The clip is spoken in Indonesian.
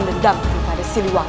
dendam kepada siliwang